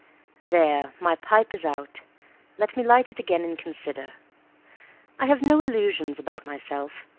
There! my pipe is out. Let me light it again and consider. I have no illusions about myself.